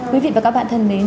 quý vị và các bạn thân mến